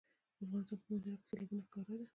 د افغانستان په منظره کې سیلابونه ښکاره ده.